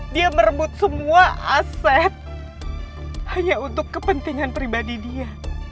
dia merebut semua aset hanya untuk kepentingan pribadi dia